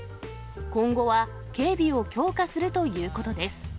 今後は警備を強化するということです。